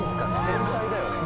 繊細だよね